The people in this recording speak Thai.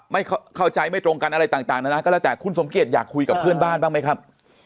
ไม่เข้าใจไม่ตรงกันอะไรต่างนานาก็แล้วแต่คุณสมเกียจอยากคุยกับเพื่อนบ้านบ้างไหมครับ